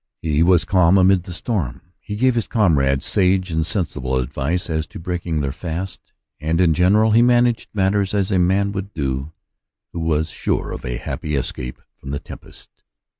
He was calm amid the storm; h "* gave his comrades sage and sensible advice as t^^ breaking their fast : and, in general, he managec:^ matters as a man would do who was sure of a happy^^ escape from the tempest.